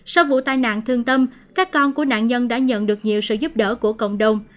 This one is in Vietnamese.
sau vụ tai nạn thương tâm các con của nạn nhân đã nhận được nhiều sự giúp đỡ của cộng đồng